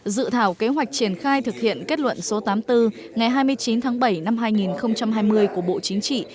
dự thảo kế hoạch triển khai thực hiện kết luận số tám mươi bốn ngày hai mươi chín tháng bảy năm hai nghìn hai mươi của bộ chính trị